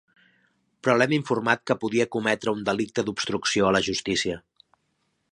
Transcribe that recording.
Però l'hem informat que podia cometre un delicte d'obstrucció a la justícia.